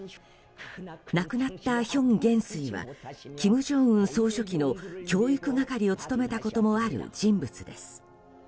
亡くなったヒョン元帥は金正恩総書記の教育係を務めたこともある人物です。